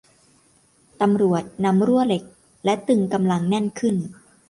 ตำรวจนำรั่วเหล็กและตึงกำลังแน่นขึ้น